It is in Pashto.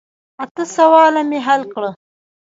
اته سواله مې حل کړه.